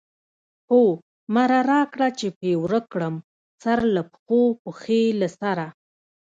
هو مره را کړه چی پی ورک کړم، سرله پښو، پښی له سره